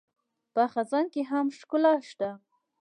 په خزان کې هم ښکلا شته